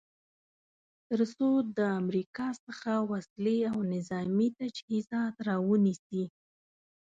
تر څو د امریکا څخه وسلې او نظامې تجهیزات را ونیسي.